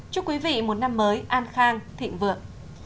chúc quý vị một năm mới an khang thịnh vượng